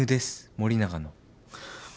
森永の。